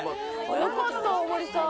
速かった大盛さん。